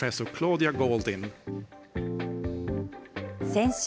先週、